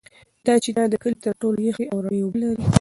دا چینه د کلي تر ټولو یخې او رڼې اوبه لري.